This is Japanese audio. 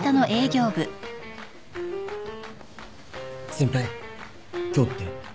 先輩今日って。